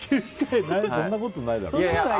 そんなことないだろう。